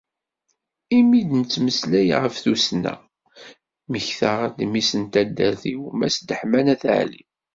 Imi i d-nettmeslay ɣef tussna, mmektaɣ-d mmi-s n taddart-iw, Mass Deḥman At Ɛli.